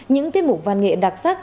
những tiết mục văn nghệ đặc sắc